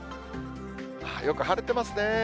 よく晴れてますね。